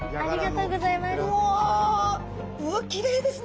うわきれいですね。